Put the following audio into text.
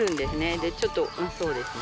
でちょっとそうですね。